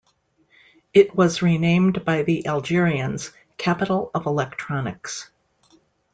It was renamed by the Algerians: Capital of electronics.